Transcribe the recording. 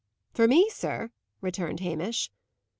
"For me, sir?" returned Hamish.